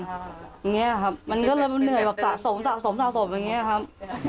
อย่างนี้อะครับมันก็เริ่มเหนื่อยสะสมสะสมสะสมอย่างนี้อะครับ